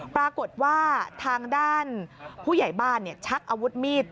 ปรากฏว่าทางด้านผู้ใหญ่บ้านชักอาวุธมีด